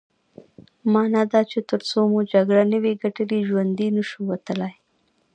مانا دا چې ترڅو مو جګړه نه وي ګټلې ژوندي نه شو وتلای.